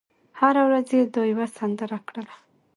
هره ورځ یې دا یوه سندره کړله